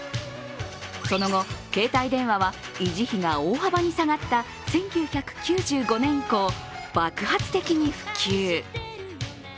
その後、携帯電話は維持費が大幅に下がった１９９５年以降、爆発的に普及。